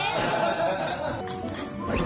ทุกคนรุ้ม